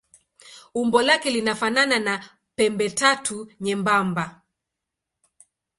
Umbo lake linafanana na pembetatu nyembamba.